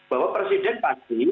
bahwa presiden pasti